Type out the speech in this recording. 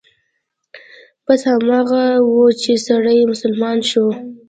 بس هماغه و چې سړى مسلمان شو.